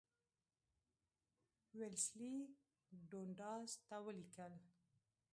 ویلسلي ډونډاس ته ولیکل.